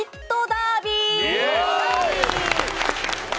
ダービー！